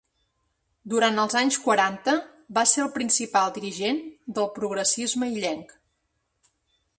Durant els anys quaranta va ser el principal dirigent del progressisme illenc.